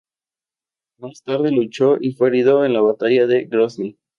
Más tarde luchó y fue herido en la batalla de Grozni.